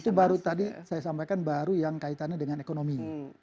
itu baru tadi saya sampaikan baru yang kaitannya dengan ekonomi